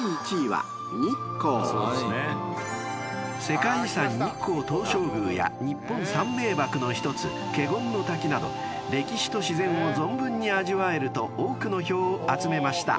［世界遺産日光東照宮や日本三名瀑の一つ華厳の滝など歴史と自然を存分に味わえると多くの票を集めました］